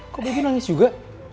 kok begitu nangis juga